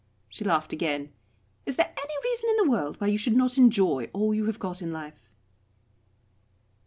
She laughed again. "Is there any reason in the world why you should not enjoy all you have got in life?"